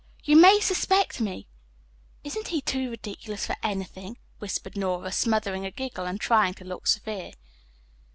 "You may suspect me." "Isn't he too ridiculous for anything?" whispered Nora, smothering a giggle and trying to look severe.